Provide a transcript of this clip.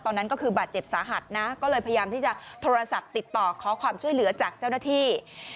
ตอนนั้นก็คือบาดเจ็บสาหัสนะก็เลยพยายามที่จะโทรศัพท์ติดต่อขอความช่วยเหลือจากเจ้าหน้าที่